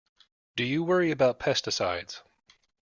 Do you worry about pesticides?